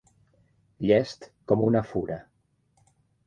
Llest com una fura.